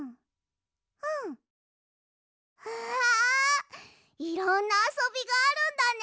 わあいろんなあそびがあるんだね！